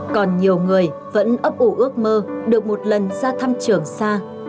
còn nhiều người vẫn ấp ủ ước mơ được một lần ra thăm trường xa